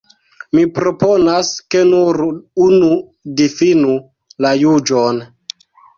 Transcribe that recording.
Mi proponas, ke nur unu difinu la juĝon.